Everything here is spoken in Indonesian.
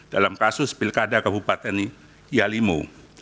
dalam kasus pilkada kabupaten yalimu